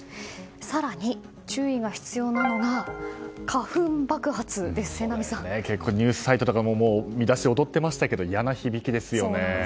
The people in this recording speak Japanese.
更に注意が必要なのがニュースサイトでも見出しに踊っていましたがいやな響きですよね。